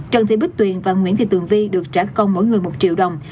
trần thị bích tuyền và nguyễn thị tượng vy được trả công mỗi người một triệu đồng